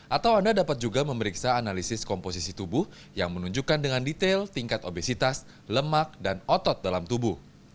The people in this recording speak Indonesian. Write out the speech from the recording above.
atau anda dapat juga memeriksa analisis komposisi tubuh yang menunjukkan dengan detail tingkat obesitas lemak dan otot dalam tubuh